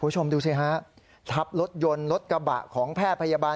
คุณผู้ชมดูสิฮะทับรถยนต์รถกระบะของแพทย์พยาบาล